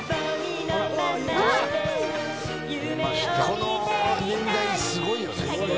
この年代すごいよね。